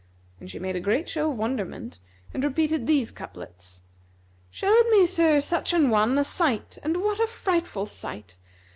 And she made a great show of wonderment and repeated these couplets, "Showed me Sir Such an one a sight and what a frightful sight!